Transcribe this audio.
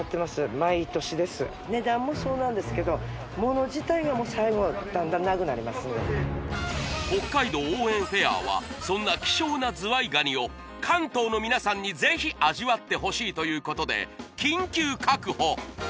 毎年です値段もそうなんですけど北海道応援フェアはそんな希少なズワイガニを関東の皆さんにぜひ味わってほしいということで緊急確保